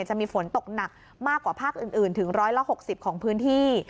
จะมีฝนตกหนักมากกว่าภาคอื่นถึง๑๖๐ของพื้นที่